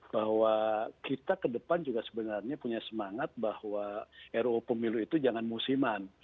bahwa kita ke depan juga sebenarnya punya semangat bahwa ruu pemilu itu jangan musiman